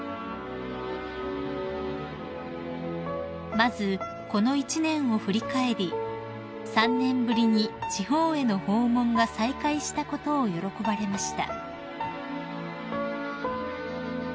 ［まずこの一年を振り返り３年ぶりに地方への訪問が再開したことを喜ばれました］